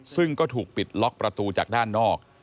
ซึ่งก็ถูกปิดล็อกประตูจากด้านนอก